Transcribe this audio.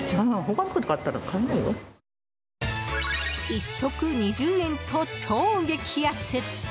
１食２０円と超激安！